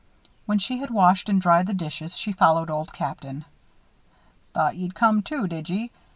When she had washed and dried the dishes, she followed Old Captain. "Thought ye'd come, too, did ye!